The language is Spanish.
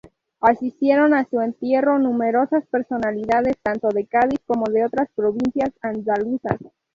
Asistieron a su entierro numerosas personalidades tanto de Cádiz como de otras provincias andaluzas.